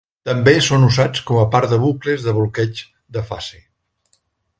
També són usats com a part de bucles de bloqueig de fase.